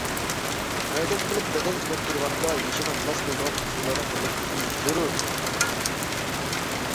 ھەرىكەت قىلىپ بەدەن چېنىقتۇرغاندا يېشىغا ماس كېلىدىغان ئۇسۇللارنى تاللاش تېخىمۇ زۆرۈر.